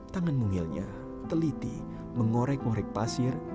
tangan mungilnya teliti mengorek ngorek pasir